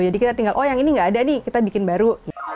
jadi kita tinggal oh yang ini nggak ada nih kita bikin baru